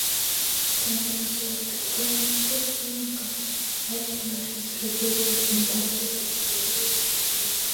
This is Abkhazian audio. Еснагь имаҵураҿы дгылан, иҭыԥ имаикырц иашьҭалахьаз ҳәагьы уаҩ димбацызт.